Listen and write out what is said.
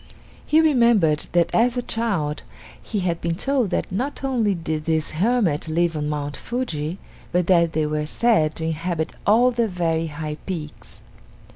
He remembered that as a child he had been told that not only did these hermits live on Mount Fuji, but that they were said to inhabit all the very high peaks.